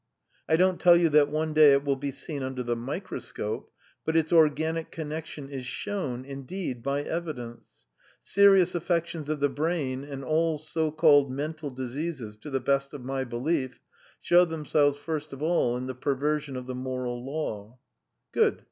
I don't tell you that one day it will be seen under the microscope, but its organic connection is shown, indeed, by evidence: serious affections of the brain and all so called mental diseases, to the best of my belief, show themselves first of all in the perversion of the moral law." "Good.